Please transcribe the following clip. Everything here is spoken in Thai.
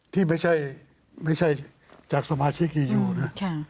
ที่ไม่ใช่จากสมาชิกยียูนะ